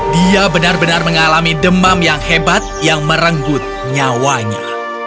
dia benar benar mengalami demam yang hebat yang merenggut nyawanya